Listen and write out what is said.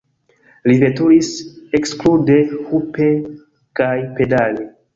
Li veturis eksklude hupe kaj pedale.